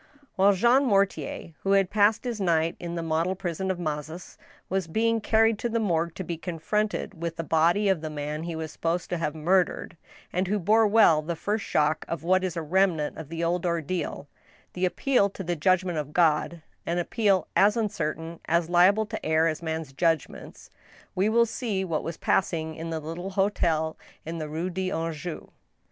While Jean Mortier, who had passed his night in the model prison of Mazas, was being carried to the morgue to be confronted with the body of the man he was supposed to have murdered* and who bore well the first shock of what is a remnant of the old ordeal, the appeal to the judgment of God — an appeal asuncertain» as liable to err as man's judgments — ^we will see what was passing in the little hotel in the Rue d'Anjou.